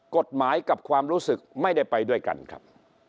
กฎหมายกับความรู้สึกไม่ได้ไปด้วยกันครับ